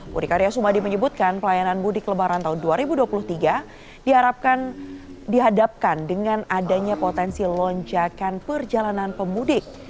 budi karya sumadi menyebutkan pelayanan mudik lebaran tahun dua ribu dua puluh tiga dihadapkan dengan adanya potensi lonjakan perjalanan pemudik